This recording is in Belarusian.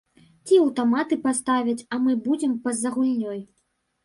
Ці аўтаматы паставяць, а мы будзем па-за гульнёй.